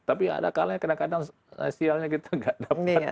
tapi ada kalanya kadang kadang idealnya kita tidak dapat